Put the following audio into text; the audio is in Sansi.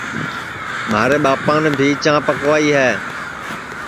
مھارے ٻاپان بھی چاں پکوائی ہے